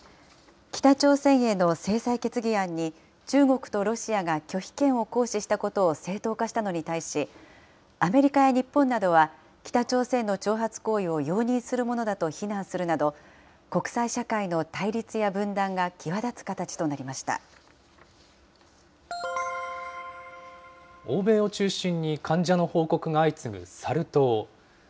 北朝鮮への制裁決議案に中国とロシアが拒否権を行使したことを正当化したのに対し、アメリカや日本などは北朝鮮の挑発行為を容認するものだと非難するなど、国際社会の対立や分断が際立つ形欧米を中心に患者の報告が相次ぐサル痘。